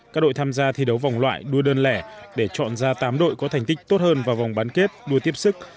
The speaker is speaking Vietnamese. các đội tham gia thi đấu vòng loại đua đơn lẻ để chọn ra tám đội có thành tích tốt hơn vào vòng bán kết đua tiếp sức